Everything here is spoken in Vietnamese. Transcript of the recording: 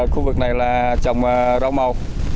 khu vực này là trồng rau màu